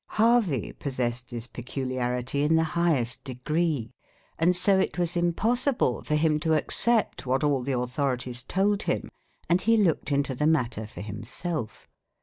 Harvey possessed this peculiarity in the highest degree, and so it was impossible for him to accept what all the authorities told him, and he looked into the matter for himself.